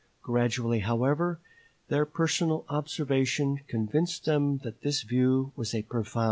Gradually, however, their personal observation convinced them that this view was a profound error.